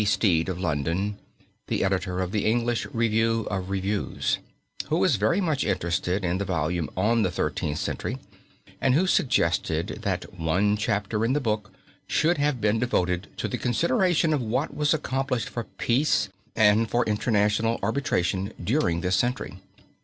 Stead of London, the editor of the English Review of Reviews, who was very much interested in the volume on the Thirteenth Century, and who suggested that one chapter in the book should have been devoted to the consideration of what was accomplished for peace and for International Arbitration during this century.